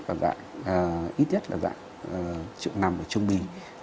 và dạng ít nhất là dạng trượng nằm ở chung bì